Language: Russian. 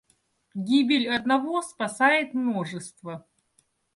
Гибель одного спасает множество.